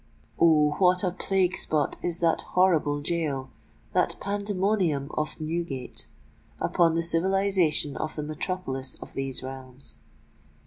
Oh! what a plague spot is that horrible gaol—that pandemonium of Newgate—upon the civilisation of the metropolis of these realms!